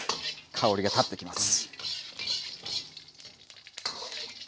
香りがたってきます。